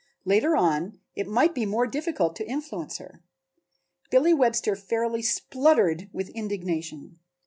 Later on it might be more difficult to influence her. Billy Webster fairly spluttered with indignation.